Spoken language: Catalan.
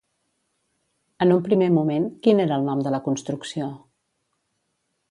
En un primer moment, quin era el nom de la construcció?